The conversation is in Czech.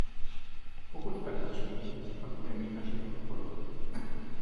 Pokud tak učiní, pak bude mít naši podporu.